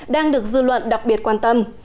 đang được dư luận đặc biệt quan tâm